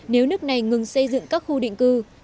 nếu nước này ngừng xây dựng các khu định cư